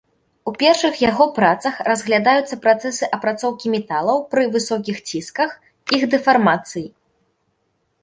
У першых яго працах разглядаюцца працэсы апрацоўкі металаў пры высокіх цісках, іх дэфармацыі.